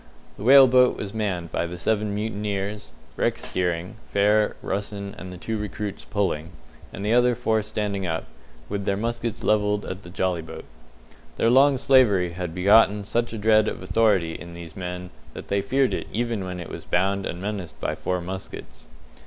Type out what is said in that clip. The whale boat was manned by the seven mutineers, Rex steering, Fair, Russen, and the two recruits pulling, and the other four standing up, with their muskets levelled at the jolly boat. Their long slavery had begotten such a dread of authority in these men that they feared it even when it was bound and menaced by four muskets.